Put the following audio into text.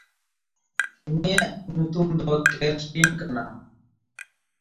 ᱩᱱᱤᱭᱟᱜ ᱧᱩᱛᱩᱢ ᱫᱚ ᱠᱮᱨᱥᱴᱤᱱ ᱠᱟᱱᱟ᱾